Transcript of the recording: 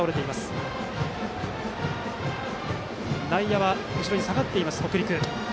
北陸の内野は後ろに下がっています。